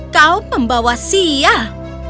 kau membawa siah